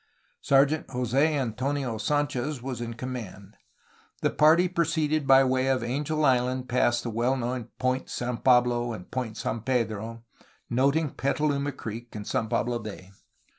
Sergeant Jos6 Antonio Sd^nchez was in com mand. The party proceeded by way of Angel Island past the now well known Point San Pablo and Point San Pedro, noting Petaluma Creek in San Pablo Bay.